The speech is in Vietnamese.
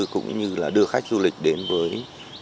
cũng như là đưa khách du lịch đến với